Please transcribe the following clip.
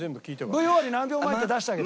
Ｖ終わり何秒前って出してあげて。